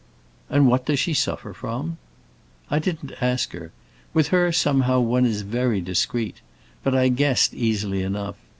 "And what does she suffer from?" "I didn't ask her. With her, somehow, one is very discreet. But I guessed, easily enough.